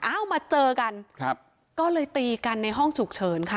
เอามาเจอกันครับก็เลยตีกันในห้องฉุกเฉินค่ะ